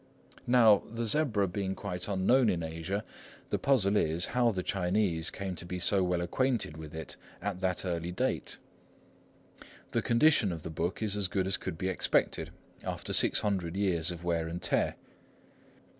Now, the zebra being quite unknown in Asia, the puzzle is, how the Chinese came to be so well acquainted with it at that early date. The condition of the book is as good as could be expected, after six hundred years of wear and tear.